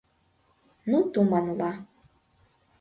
Ну туманла!